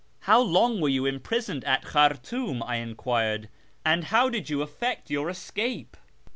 "How long were you imprisoned at Khartoum?" I en quired ;" and how did you effect your escape